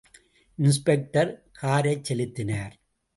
Inspector காரைச் செலுத்தினார்.